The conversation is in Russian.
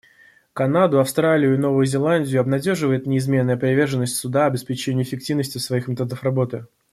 Канаду, Австралию и Новую Зеландию обнадеживает неизменная приверженность Суда обеспечению эффективности своих методов работы.